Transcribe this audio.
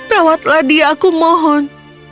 rawatlah dia aku mohon